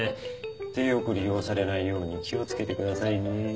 体よく利用されないように気を付けてくださいね。